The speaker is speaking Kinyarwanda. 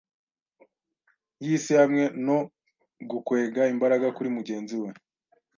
yisihamwe no gukwega imbaraga kuri mugenzi we.